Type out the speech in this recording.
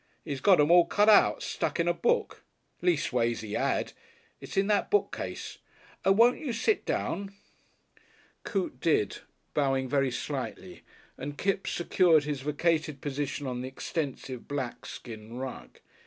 'E's got 'em all cut out stuck in a book.... Leastways, he 'ad. It's in that bookcase.... Won't you sit down?" Coote did, bowing very slightly, and Kipps secured his vacated position on the extensive black skin rug.